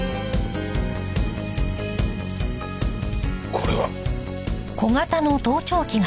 これは。